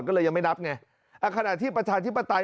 ก็เลยยังไม่นับเนี่ยอ่ะขณะที่ประชาธิปไตย